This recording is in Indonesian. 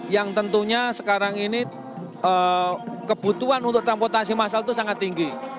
yang tentunya sekarang ini kebutuhan untuk transportasi masal itu sangat tinggi